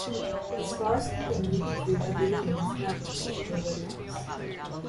These stores continued to trade under the names "Cavendish" or "Woodhouse".